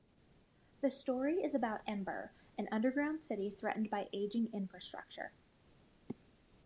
The story is about Ember, an underground city threatened by aging infrastructure.